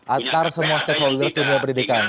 antar semua stakeholders dunia pendidikan